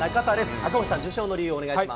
赤星さん、受賞の理由をお願いします。